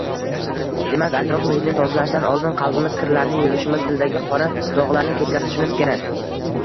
Demak, atrof-muhitni tozalashdan oldin qalbimiz kirlarini yuvishimiz, dildagi qora dog‘larni ketkazishimiz kerak.